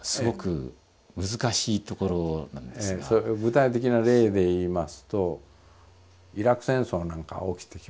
具体的な例で言いますとイラク戦争なんか起きてきますね。